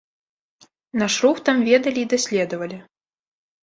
Наш рух там ведалі і даследавалі.